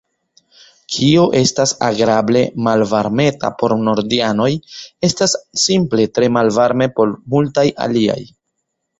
Kio estas agrable malvarmeta por nordianoj, estas simple tre malvarme por multaj aliaj.